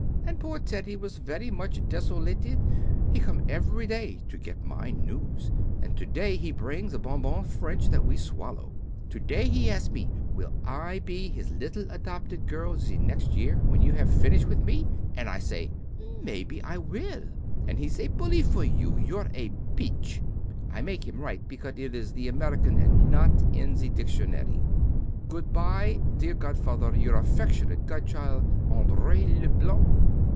And poor Teddy was very much desolated; he come every day to get of my news, and to day he bring the bonbons French that we swallow. To day he ask me will I be his little adopted girl the year next when you have finish with me and I say, "Mebbe I will." And he say, "Bully for you, you're a peach!" I make him write because it is the American and not in the dictionary. Goodbye, dear godfather, Your affeckshunate godchild, Andree Leblanc.